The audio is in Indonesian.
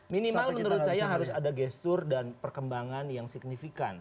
minimal menurut saya harus ada gestur dan perkembangan yang signifikan